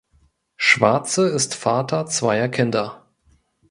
Schwarze ist Vater zweier Kinder.